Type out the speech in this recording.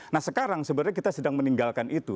nah sekarang sebenarnya kita sedang meninggalkan itu